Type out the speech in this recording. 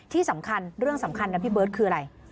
ที่สำคัญเรื่องสำคัญนะพี่เบิร์ตคืออะไร